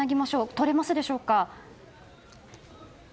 取れますでしょうか。